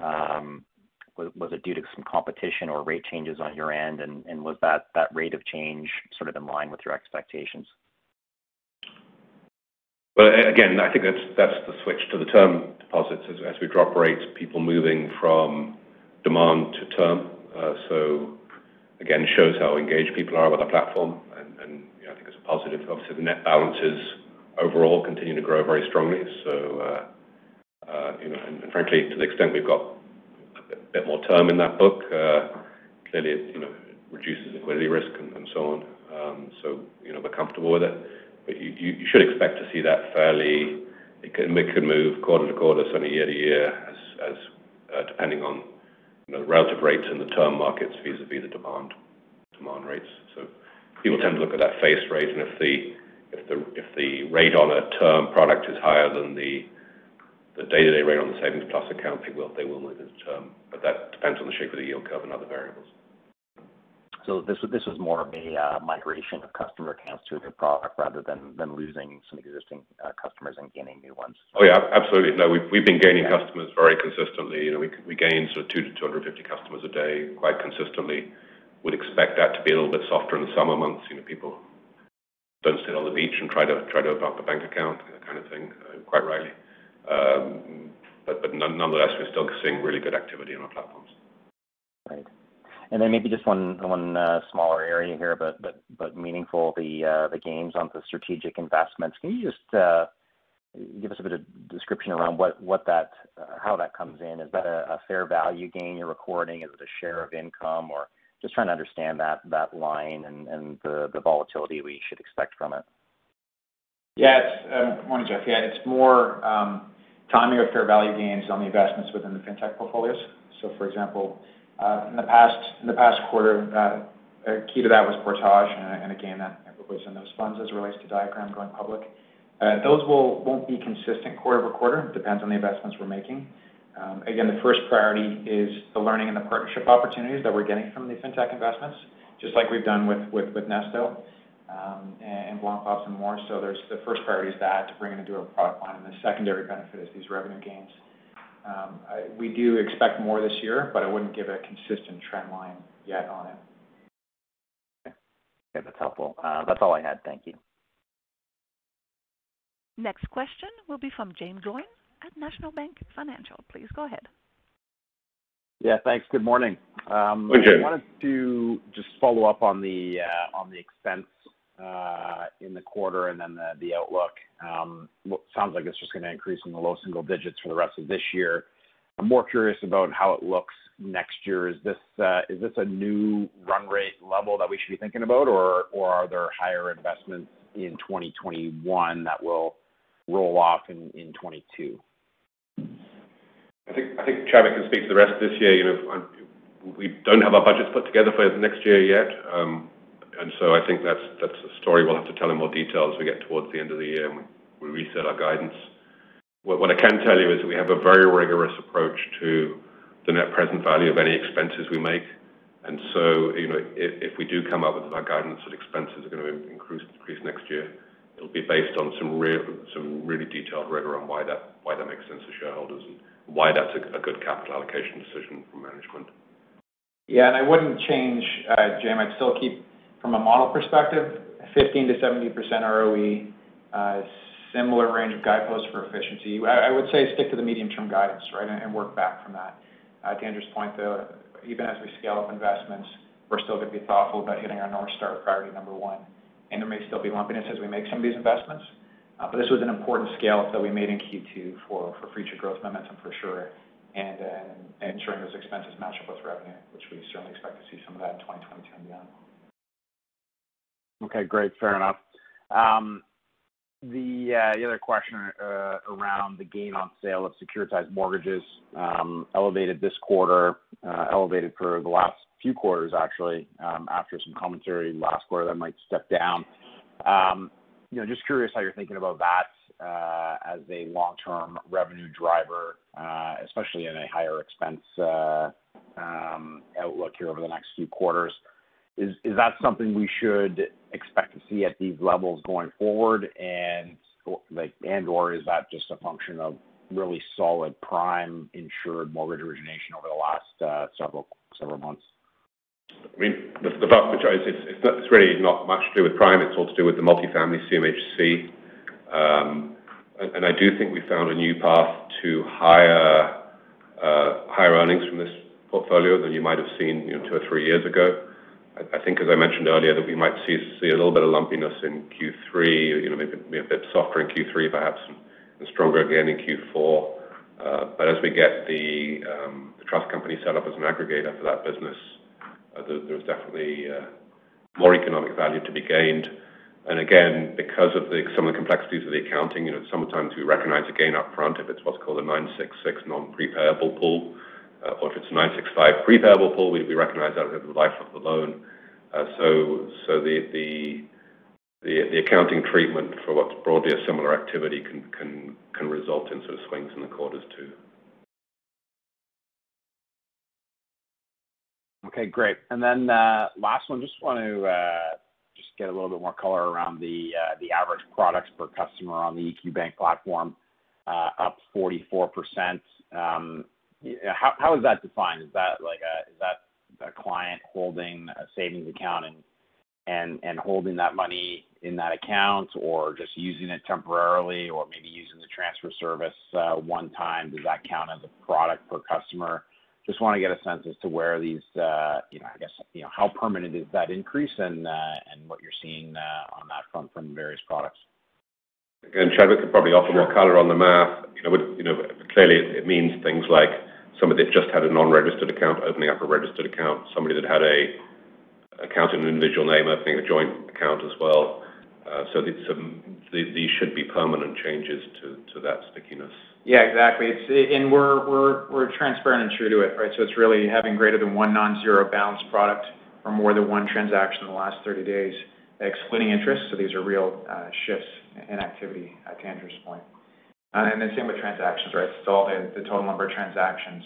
Was it due to some competition or rate changes on your end, and was that rate of change sort of in line with your expectations? Well, again, I think that's the switch to the term deposits. As we drop rates, people moving from demand to term. Again, shows how engaged people are with our platform, and I think it's a positive. Obviously, the net balances overall continue to grow very strongly. Frankly, to the extent we've got a bit more term in that book, clearly it reduces liquidity risk and so on. We're comfortable with it. You should expect to see that it could move quarter-to-quarter, certainly year-to-year, depending on the relative rates in the term markets vis-à-vis the demand rates. People tend to look at that face rate, and if the rate on a term product is higher than the day-to-day rate on the Savings Plus Account, they will move into term. That depends on the shape of the yield curve and other variables. This was more of a migration of customer accounts to a new product rather than losing some existing customers and gaining new ones. Oh, yeah. Absolutely. No, we've been gaining customers very consistently. We gain sort of 2 to 250 customers a day quite consistently. Would expect that to be a little bit softer in the summer months. People don't sit on the beach and try to open up a bank account kind of thing, quite rightly. Nonetheless, we're still seeing really good activity on our platforms. Right. Then maybe just one smaller area here, but meaningful, the gains on the strategic investments. Can you just give us a bit of description around how that comes in? Is that a fair value gain you're recording? Is it a share of income? Just trying to understand that line and the volatility we should expect from it. Yes. Morning, Jeff. Yeah, it's more timing of fair value gains on the investments within the fintech portfolios. For example, in the past quarter, a key to that was Portage and a gain that was in those funds as it relates to Diagram going public. Those won't be consistent quarter-over-quarter. Depends on the investments we're making. Again, the first priority is the learning and the partnership opportunities that we're getting from these fintech investments, just like we've done with nesto. Loan profits and more. The first priority is that, to bring into a product line, and the secondary benefit is these revenue gains. We do expect more this year, but I wouldn't give a consistent trend line yet on it. Okay. Yeah, that's helpful. That's all I had. Thank you. Next question will be from Jaeme Gloyn at National Bank Financial. Please go ahead. Yeah, thanks. Good morning. Good morning. I wanted to just follow up on the expense in the quarter, and then the outlook. Sounds like it's just going to increase in the low single digits for the rest of this year. I'm more curious about how it looks next year. Is this a new run rate level that we should be thinking about, or are there higher investments in 2021 that will roll off in 2022? I think Travis can speak to the rest of this year. We don't have our budgets put together for next year yet. I think that's a story we'll have to tell in more detail as we get towards the end of the year and we reset our guidance. What I can tell you is we have a very rigorous approach to the net present value of any expenses we make. If we do come up with our guidance that expenses are going to increase next year, it'll be based on some really detailed rigor on why that makes sense for shareholders and why that's a good capital allocation decision from management. I wouldn't change, Jaeme. I'd still keep, from a model perspective, 15%-17% ROE, similar range of guideposts for efficiency. I would say stick to the medium-term guidance, right, and work back from that. To Andrew's point, though, even as we scale up investments, we're still going to be thoughtful about hitting our North Star priority number 1. There may still be lumpiness as we make some of these investments, but this was an important scale-up that we made in Q2 for future growth momentum for sure. Ensuring those expenses match up with revenue, which we certainly expect to see some of that in 2022 on that. Okay, great. Fair enough. The other question around the gain on sale of securitized mortgages elevated this quarter, elevated for the last few quarters actually, after some commentary last quarter that might step down. Just curious how you're thinking about that as a long-term revenue driver, especially in a higher expense outlook here over the next few quarters. Is that something we should expect to see at these levels going forward and/or is that just a function of really solid prime insured mortgage origination over the last several months? I mean, it's really not much to do with Prime, it's all to do with the multifamily CMHC. I do think we found a new path to higher earnings from this portfolio than you might have seen 2 or 3 years ago. I think, as I mentioned earlier, that we might see a little bit of lumpiness in Q3, maybe a bit softer in Q3 perhaps, and stronger again in Q4. As we get the trust company set up as an aggregator for that business, there's definitely more economic value to be gained. Again, because of some of the complexities of the accounting, sometimes we recognize a gain up front if it's what's called a 966 non-prepayable pool, or if it's a 965 prepayable pool, we recognize that over the life of the loan. The accounting treatment for what's broadly a similar activity can result in sort of swings in the quarters, too. Okay, great. Last one, just want to get a little bit more color around the average products per customer on the EQ Bank platform up 44%. How is that defined? Is that a client holding a savings account and holding that money in that account or just using it temporarily or maybe using the transfer service 1 time? Does that count as a product per customer? Just want to get a sense as to how permanent is that increase and what you're seeing on that front from the various products. Chadwick could probably offer more color on the math. Clearly it means things like somebody that just had a non-registered account opening up a registered account, somebody that had an account in an individual name opening a joint account as well. These should be permanent changes to that stickiness. Yeah, exactly. We're transparent and true to it, right? It's really having greater than 1 non-zero balance product or more than 1 transaction in the last 30 days, excluding interest. These are real shifts in activity to Andrew's point. Same with transactions, right? It's all the total number of transactions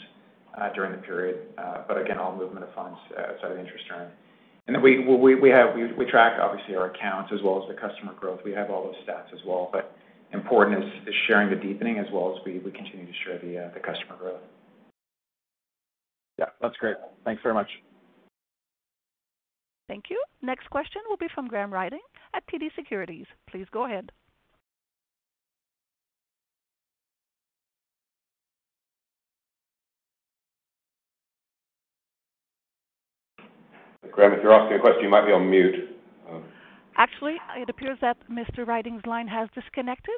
during the period. Again, all movement of funds outside of interest earning. We track obviously our accounts as well as the customer growth. We have all those stats as well. Important is sharing the deepening as well as we continue to share the customer growth. Yeah, that's great. Thanks very much. Thank you. Next question will be from Graham Ryding at TD Securities. Please go ahead. Graham, if you're asking a question, you might be on mute. Actually, it appears that Mr. Ryding's line has disconnected,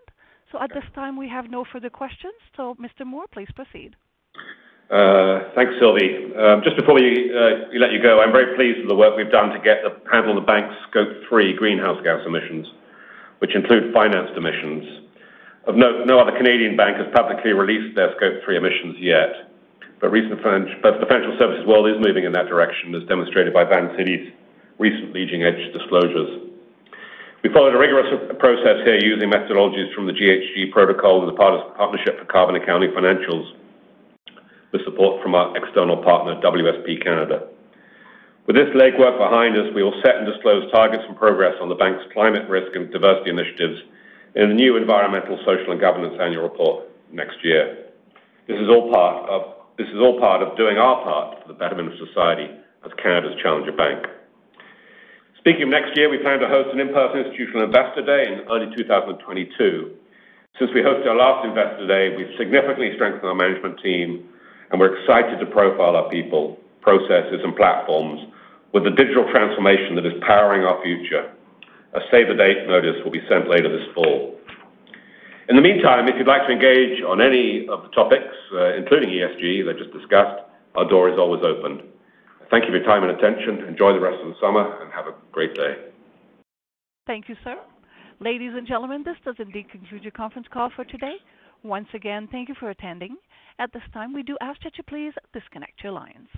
at this time we have no further questions. Mr. Moor, please proceed. Thanks, Sylvie. Just before we let you go, I'm very pleased with the work we've done to handle the bank's Scope 3 greenhouse gas emissions, which include financed emissions. No other Canadian bank has publicly released their Scope 3 emissions yet, but the financial services world is moving in that direction, as demonstrated by Vancity's recent leading edge disclosures. We followed a rigorous process here using methodologies from the GHG Protocol as a part of Partnership for Carbon Accounting Financials, with support from our external partner, WSP Canada. With this legwork behind us, we will set and disclose targets and progress on the bank's climate risk and diversity initiatives in a new environmental, social, and governance Annual Report next year. This is all part of doing our part for the betterment of society as Canada's challenger bank. Speaking of next year, we plan to host an in-person institutional investor day in early 2022. Since we hosted our last investor day, we've significantly strengthened our management team and we're excited to profile our people, processes, and platforms with the digital transformation that is powering our future. A save-the-date notice will be sent later this fall. In the meantime, if you'd like to engage on any of the topics, including ESG that I just discussed, our door is always open. Thank you for your time and attention. Enjoy the rest of the summer, and have a great day. Thank you, sir. Ladies and gentlemen, this does indeed conclude your conference call for today. Once again, thank you for attending. At this time, we do ask that you please disconnect your lines.